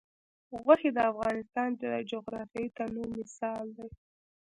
غوښې د افغانستان د جغرافیوي تنوع مثال دی.